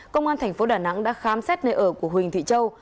công an tp đà nẵng đã khám xét nơi ở của huỳnh thị châu